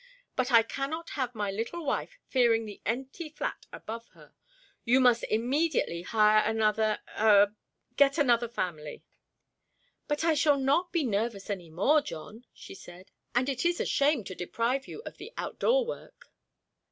But I cannot have my little wife fearing the empty flat above her. You must immediately hire another er get another family." "But I shall not be nervous any more, John," she said; "and it is a shame to deprive you of the outdoor work."